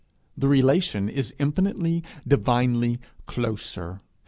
The relation is infinitely, divinely closer.